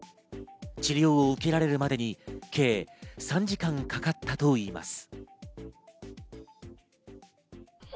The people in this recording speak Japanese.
治療を受けられるまでに計３時間かかったといいます。